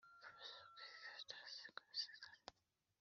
ni cyo gituma imanza zitabera zigoramye